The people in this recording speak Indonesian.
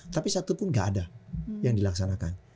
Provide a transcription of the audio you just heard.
tapi satu pun gak ada yang dilaksanakan